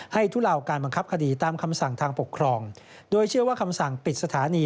ทุเลาการบังคับคดีตามคำสั่งทางปกครองโดยเชื่อว่าคำสั่งปิดสถานี